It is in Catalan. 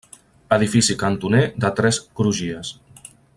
Edifici cantoner de tres crugies.